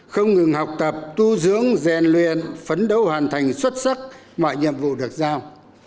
không ngừng học tập tu dưỡng rèn luyện phấn đấu hoàn thành xuất sắc mọi nhiệm vụ được giao